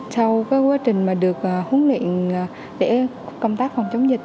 sau cái quá trình mà được huấn luyện để công tác phòng chống dịch